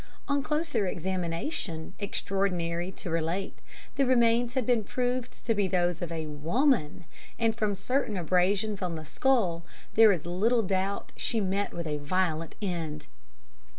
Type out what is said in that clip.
On closer examination, extraordinary to relate, the remains have been proved to be those of a WOMAN; and from certain abrasions on the skull, there is little doubt she met with a violent end."